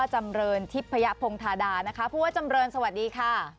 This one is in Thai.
จำเรินทิพยพงษ์ถานดาดัวจำเรินสวัสดีค่า